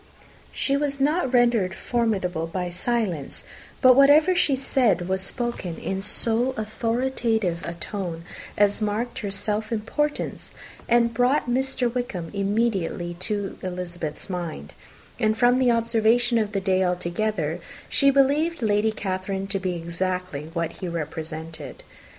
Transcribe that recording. She was not rendered formidable by silence: but whatever she said was spoken in so authoritative a tone as marked her self importance, and brought Mr. Wickham immediately to Elizabeth's mind; and, from the observation of the day altogether, she believed Lady Catherine to be exactly what he had represented.